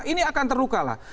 ini akan terluka lah